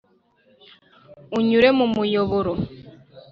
anyure mu muyoboro